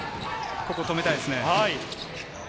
ここは止めたいですね。